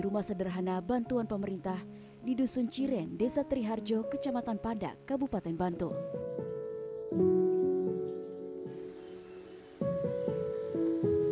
rumah sederhana bantuan pemerintah di dusun ciren desa teri harjo kecamatan padak kabupaten bantul